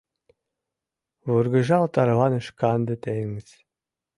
Вургыжал тарваныш канде теҥыз.